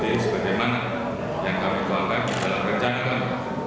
dan bagaimana yang kami tuangkan dalam rencana kami